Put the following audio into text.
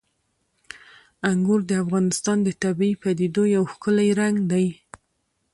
انګور د افغانستان د طبیعي پدیدو یو ښکلی رنګ دی.